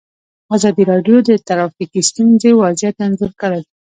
ازادي راډیو د ټرافیکي ستونزې وضعیت انځور کړی.